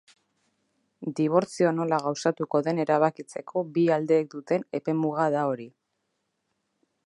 Dibortzioa nola gauzatuko den erabakitzeko bi aldeek duten epe-muga da hori.